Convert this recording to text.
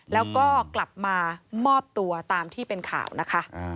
แล้วก็กลับมามอบตัวตามที่เป็นข่าวนะคะ